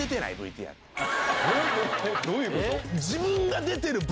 どういうこと？